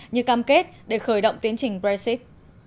như cam kết để khởi động tiến trình brexit